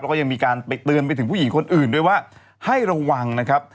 แล้วก็ยังมีการไปเตือนไปถึงผู้หญิงคนอื่นด้วยว่าให้ระวังนะครับ